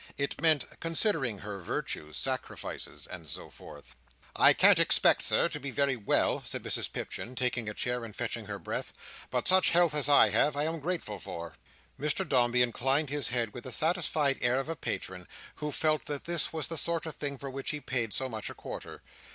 It meant, considering her virtues, sacrifices, and so forth. "I can't expect, Sir, to be very well," said Mrs Pipchin, taking a chair and fetching her breath; "but such health as I have, I am grateful for." Mr Dombey inclined his head with the satisfied air of a patron, who felt that this was the sort of thing for which he paid so much a quarter.